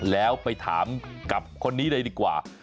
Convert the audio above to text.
แล้วไปถามกับคนนี้เลยดีกว่า